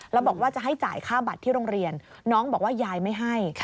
แล้วบอกว่าจะให้จ่ายค่าบัตรที่โรงเรียนน้องบอกว่ายายไม่ให้